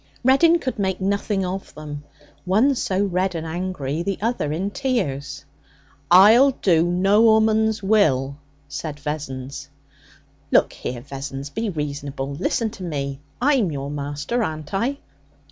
Reddin could make nothing of them, one so red and angry, the other in tears. 'I'll do no 'ooman's will!' said Vessons. 'Look here, Vessons! Be reasonable. Listen to me. I'm your master, aren't I?'